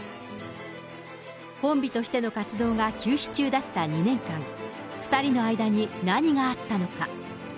コンビとしての活動が休止中だった２年間、２人の間に何があったのか。